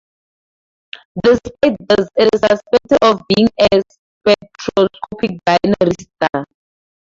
Despite this, it is suspected of being a spectroscopic binary star.